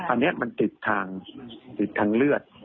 อันเนี่ยมันติดทางทั้งเลือด